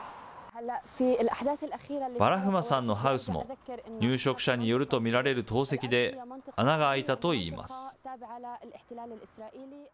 バラフマさんのハウスも入植者によると見られる投石で、穴が開いたといいます。